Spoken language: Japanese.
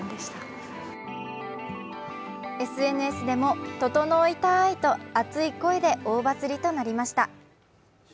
ＳＮＳでもととのいたいと熱い声で大バズりとなりました。